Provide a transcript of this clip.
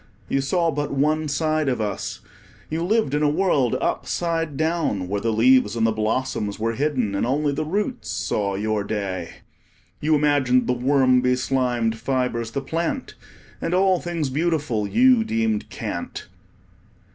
You saw but one side of us. You lived in a world upside down, where the leaves and the blossoms were hidden, and only the roots saw your day. You imagined the worm beslimed fibres the plant, and all things beautiful you deemed cant.